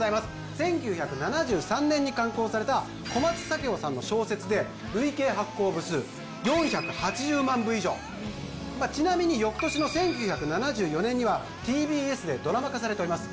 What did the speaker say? １９７３年に刊行された小松左京さんの小説で累計発行部数４８０万部以上まあちなみに翌年の１９７４年にはＴＢＳでドラマ化されております